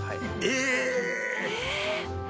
え！